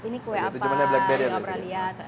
ini kue apa gak pernah liat